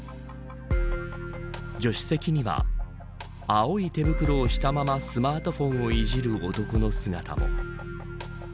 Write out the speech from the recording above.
助手席には、青い手袋をしたままスマートフォンをいじる男の姿も。